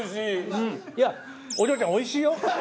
いやお嬢ちゃんおいしいよ？